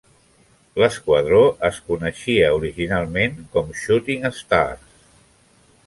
L"esquadró es coneixia originalment com "Shooting Stars".